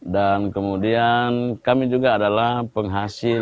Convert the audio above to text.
dan kemudian kami juga adalah penghasil